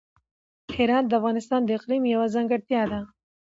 هرات د افغانستان د اقلیم یوه ځانګړتیا ده.